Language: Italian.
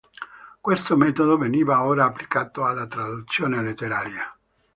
Questo metodo veniva ora applicato alla traduzione letteraria.